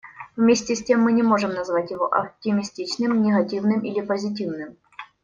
Вместе с тем, мы не можем назвать его оптимистичным, негативным или позитивным.